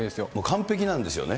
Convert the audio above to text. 完璧なんですよね。